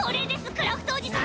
クラフトおじさん。